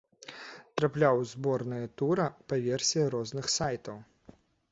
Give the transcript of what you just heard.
Трапляў у зборныя тура па версіі розных сайтаў.